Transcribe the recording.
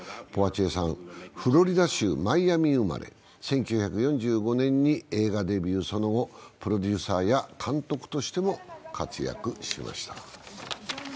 ポワチエさん、フロリダ州マイアミ生まれ、１９４５年に映画デビュー、その後プロデューサーや監督としても活躍しました。